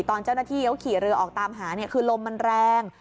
ตอนเจ้าหน้าที่เขาขี่เรือออกตามหาเนี่ยคือลมมันแรง